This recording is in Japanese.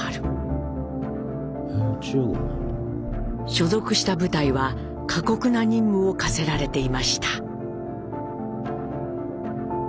所属した部隊は過酷な任務を課せられていました。